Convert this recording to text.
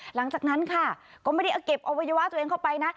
หลังจากนั้นค่ะก็ไม่ได้เอาเก็บอวัยวะตัวเองเข้าไปนะ